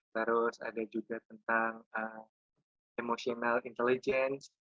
terus ada juga tentang emotional intelligence